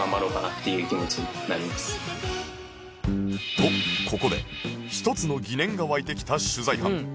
とここで一つの疑念が湧いてきた取材班